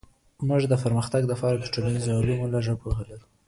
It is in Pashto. موږ د پرمختګ لپاره د ټولنيزو علومو لږه پوهه لرو.